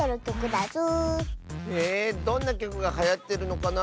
へえどんなきょくがはやってるのかなあ。